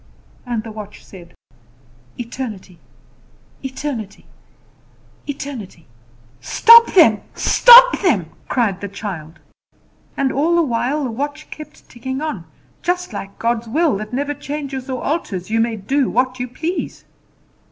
And the watch said, "Eternity, eternity, eternity!" "Stop them! stop them!" cried the child. And all the while the watch kept ticking on; just like God's will, that never changes or alters, you may do what you please.